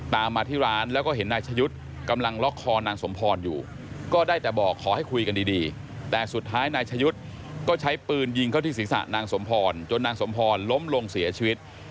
มาที่ร้านแล้วก็เห็นนายชะยุทธ์กำลังล็อกคอนางสมพรอยู่ก็ได้แต่บอกขอให้คุยกันดีแต่สุดท้ายนายชะยุทธ์ก็ใช้ปืนยิงเข้าที่ศีรษะนางสมพรจนนางสมพรล้มลงเสียชีวิต